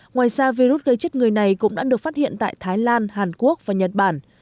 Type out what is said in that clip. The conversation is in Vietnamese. ngoài ra virus gây chết người này cũng đã được phát hiện tại thái lan hàn quốc và nhật bản